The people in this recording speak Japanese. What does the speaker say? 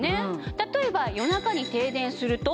例えば夜中に停電すると。